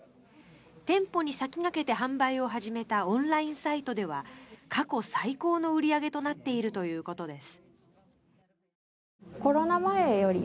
店舗に先駆けて販売を始めたオンラインサイトでは過去最高の売り上げとなっているということです。